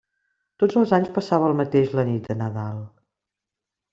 Tots els anys passava el mateix la nit de Nadal.